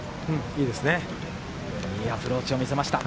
いいアプローチを見せました。